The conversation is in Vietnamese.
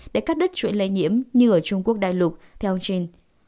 để cắt đứt chuỗi lây nhiễm như ở trung quốc đại lục theo jin